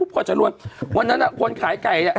ก่อนละวันนั้นรสคนขายไก่